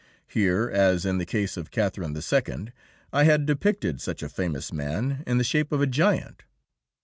Here, as in the case of Catherine II., I had depicted such a famous man in the shape of a giant.